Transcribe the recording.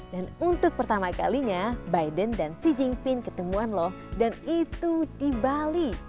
dan untuk pertama kalinya biden dan xi jinping ketemuan loh dan itu di bali